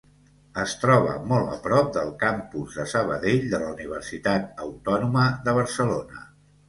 Es troba molt a prop del Campus de Sabadell de la Universitat Autònoma de Barcelona.